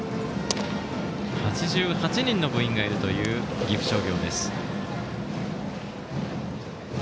８８人の部員がいるという岐阜商業です。